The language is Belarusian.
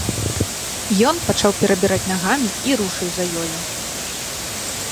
Ён пачаў перабіраць нагамі і рушыў за ёю.